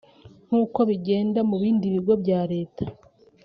nk’uko bigenda mu bindi bigo bya leta